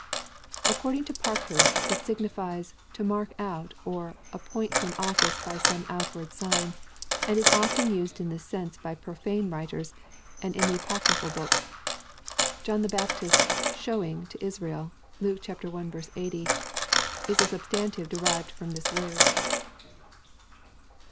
According to Parkhurst, it signifies "to mark out, or, appoint to an office by some outward sign, and is oflen used in this sense by profane writers, and in the apocryphal books." John the Baptist's " shewing" to Israel, Luke i 80, is a substantive derived from this word.